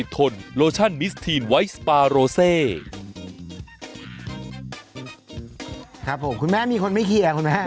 ครับผมคุณแม่มีคนไม่เคลียร์คุณแม่